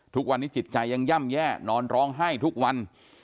ทุกวันนี้จิตใจยังย่ำแย่นอนร้องไห้ทุกวัน